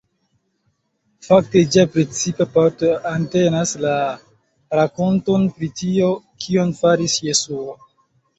Fakte ĝia precipa parto entenas la rakonton pri tio kion faris Jesuo.